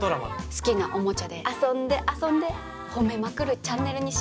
好きなおもちゃで遊んで遊んでほめまくるチャンネルにしようかと。